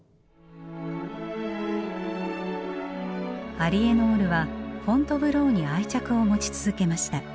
アリエノールはフォントヴローに愛着を持ち続けました。